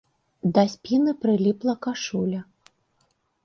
Да спіны прыліпла кашуля.